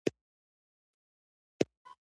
په پیل کې په ډېر تکلیف وم خو بیا عادت شوم